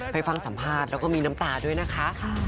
ฟังสัมภาษณ์แล้วก็มีน้ำตาด้วยนะคะ